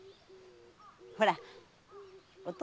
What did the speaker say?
ほらお父